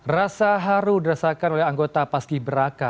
rasa haru dirasakan oleh anggota paski beraka